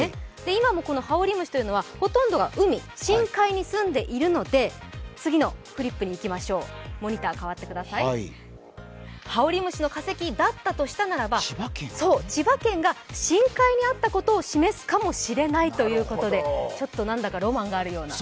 今もハオリムシというのがほとんどが海、深海に住んでいるのでハオリムシの化石だったとしたならば、千葉県が深海にあったことを示すかもしれないということでちょっとなんだかロマンがあるような。